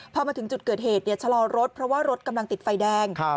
พอมาถึงจุดเกิดเหตุชะลอรถเพราะว่ารถกำลังติดไฟแดง